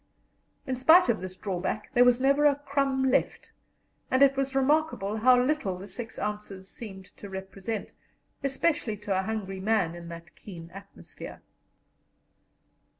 In spite of this drawback, there was never a crumb left, and it was remarkable how little the 6 ounces seemed to represent, especially to a hungry man in that keen atmosphere.